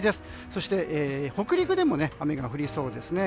そして、北陸でも雨が降りそうですね。